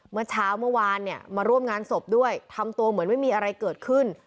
เมื่อเช้าเมื่อวานเนี่ยมาร่วมงานศพด้วยทำตัวเหมือนไม่มีอะไรเกิดขึ้น